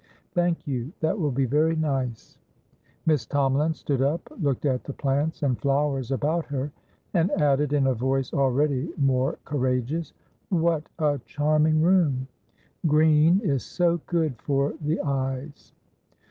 "Thank you; that will be very nice." Miss Tomalin stood up, looked at the plants and flowers about her, and added in a voice already more courageous: "What a charming room! Green is so good for the eyes."